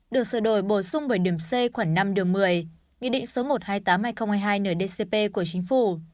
được sở đổi bổ sung bởi điểm c khoảng năm điều một mươi nghị định số một mươi hai nghìn tám trăm hai mươi ndcp của chính phủ